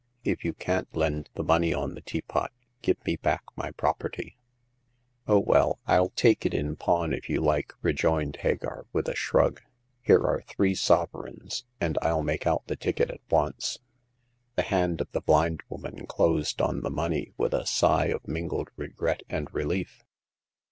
If you can't lend the money on the teapot, give me back my property." '* Oh, well. 111 take it in pawn if you like," re joined Hagar, with a shrug. "Here are three sovereigns, and 111 make out the ticket at once." The hand of the blind woman closed on the money with a sigh of mingled regret and re lief.